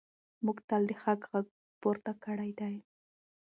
موږ تل د حق غږ پورته کړی دی.